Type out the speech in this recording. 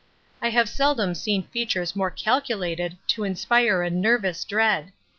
I have seldom seen features more calculated to inspire a nervous dread.